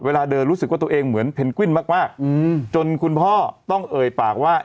เวลาเดินรู้สึกว่าตัวเองเหมือนเพนกวิ้นมากจนคุณพ่อต้องเอ่ยปากว่า